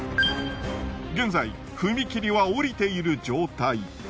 現在踏切はおりている状態。